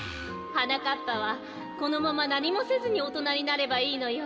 はなかっぱはこのままなにもせずにおとなになればいいのよ。